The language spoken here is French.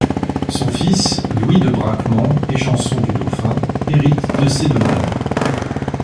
Son fils, Louis de Braquemont, échanson du Dauphin, hérite de ces domaines.